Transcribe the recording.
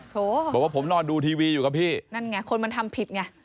บอกว่าผมนอนดูทีวีอยู่กับพี่นั่นไงคนมันทำผิดไง